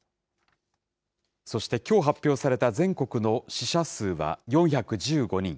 そして、きょう発表された全国の死者数は４１５人。